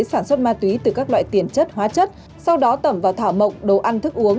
sản xuất ma túy từ các loại tiền chất hóa chất sau đó tẩm vào thảo mộc đồ ăn thức uống